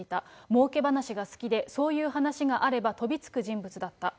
もうけ話が好きで、そういう話があれば、飛びつく人物だった。